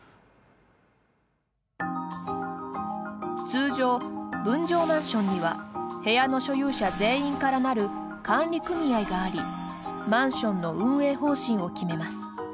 通常、分譲マンションには部屋の所有者全員からなる管理組合がありマンションの運営方針を決めます。